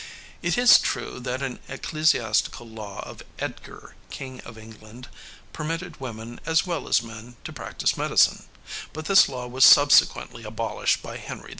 It is true that an ecclesiastical law of Edgar, King of England, permitted women as well as men to practice medicine, but this law was subsequently abolished by Henry V.